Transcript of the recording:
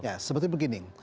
ya sebetulnya begini